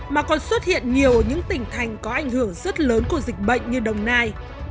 mà còn xuất hiện nhiều những tỉnh thành có ảnh hưởng rất lớn của dịch bệnh như đồng nai